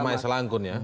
tamai selangkun ya